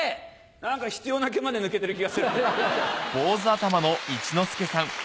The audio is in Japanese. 何か必要な毛まで抜けてる気がする。